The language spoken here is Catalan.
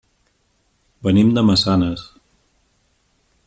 Venim de Massanes.